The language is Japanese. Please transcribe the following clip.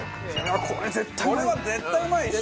これは絶対うまいでしょ。